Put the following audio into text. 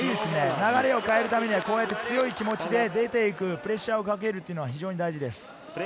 流れを変えるためには強い気持ちで出て行くプレッシャーをかけるのは非常に大事です。